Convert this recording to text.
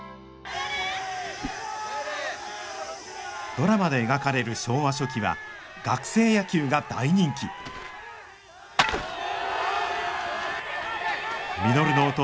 ドラマで描かれる昭和初期は学生野球が大人気稔の弟